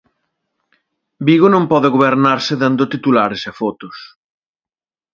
Vigo non pode gobernarse dando titulares e fotos.